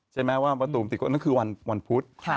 ใช่ไหมว่านั่นคือวันพุธ